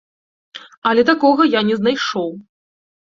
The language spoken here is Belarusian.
Але такога я не знайшоў.